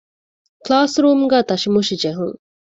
ކުލާސްރޫމްގައި ތަށިމުށިޖެހުން